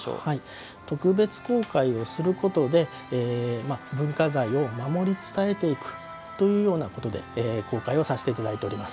特別公開をすることで文化財を守り伝えていくというようなことで公開をさせていただいております。